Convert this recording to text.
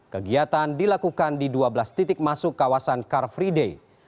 kegiatan dilakukan di dua belas titik masuk kawasan car free day